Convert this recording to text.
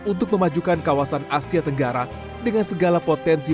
untuk memajukan kawasan asia tenggara dengan segala potensi